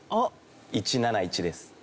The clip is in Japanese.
「１７１」です。